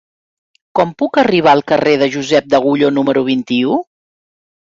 Com puc arribar al carrer de Josep d'Agulló número vint-i-u?